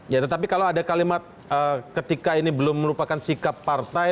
ya tetapi kalau ada kalimat ketika ini belum merupakan sikap partai